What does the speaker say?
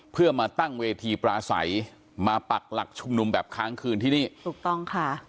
เพื่อมาตั้งเวทีปลาใสมาปักหลักชุมนุมแบบค้างคืนที่นี่ถูกต้องค่ะ